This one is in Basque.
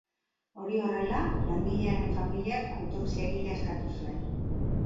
Hori horrela, langilearen familiak autopsia egitea eskatu zuen.